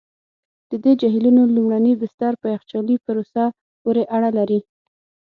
د دې جهیلونو لومړني بستر په یخچالي پروسې پوري اړه لري.